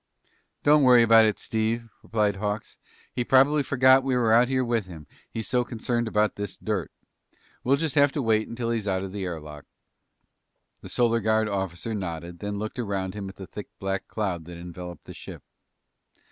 "Don't worry about it, Steve," replied Hawks. "He probably forgot we were out here with him, he's so concerned about this dirt. We'll just have to wait until he's out of the air lock." The Solar Guard officer nodded, then looked around him at the thick black cloud that enveloped the ship.